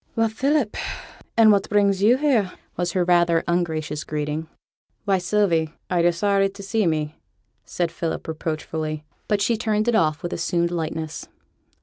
'Well, Philip! an' what brings yo' here?' was her rather ungracious greeting. 'Why, Sylvie, are yo' sorry to see me?' asked Philip, reproachfully. But she turned it off with assumed lightness.